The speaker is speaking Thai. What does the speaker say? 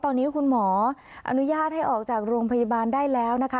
ตอนนี้คุณหมออนุญาตให้ออกจากโรงพยาบาลได้แล้วนะคะ